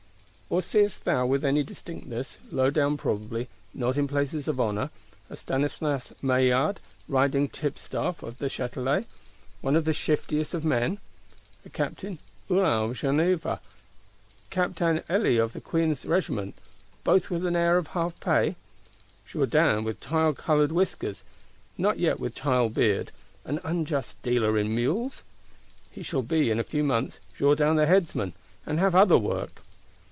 Or seest thou with any distinctness, low down probably, not in places of honour, a Stanislas Maillard, riding tipstaff (huissier à cheval) of the Châtelet; one of the shiftiest of men? A Captain Hulin of Geneva, Captain Elie of the Queen's Regiment; both with an air of half pay? Jourdan, with tile coloured whiskers, not yet with tile beard; an unjust dealer in mules? He shall be, in a few months, Jourdan the Headsman, and have other work.